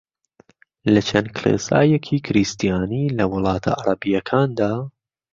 لە چەند کڵێسایەکی کریستیانی لە وڵاتە عەرەبییەکاندا